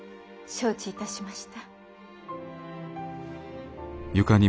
承知いたしました。